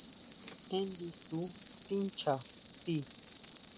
Énn ndisu tincha ti.